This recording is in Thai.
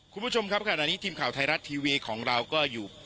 คุณผู้ชมครับขณะนี้ทีมข่าวไทยรัฐทีวีของเราก็อยู่